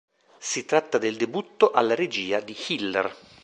Si tratta del debutto alla regia di Hiller.